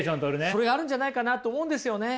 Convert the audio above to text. それあるんじゃないかなと思うんですよね。